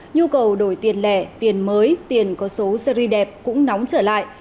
nhu cầu đổi tiền lẻ tiền mới tiền có số series đẹp cũng nóng trở lại